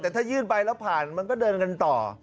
แต่ถ้ายื่นไปแล้วผ่านมันก็เดินกันต่อ